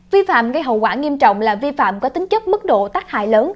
vi phạm gây hậu quả nghiêm trọng là vi phạm có tính chất mức độ tác hại lớn